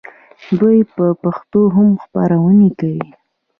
دوی په پښتو هم خپرونې کوي.